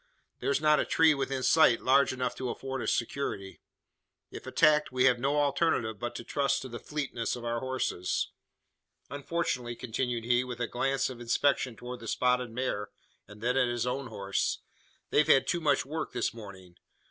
There's not a tree within sight large enough to afford us security. If attacked, we have no alternative but to trust to the fleetness of our horses. Unfortunately," continued he, with a glance of inspection towards the spotted mare, and then at his own horse, "they've had too much work this morning.